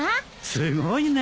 すごいね！